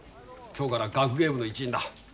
今日から学芸部の一員だ。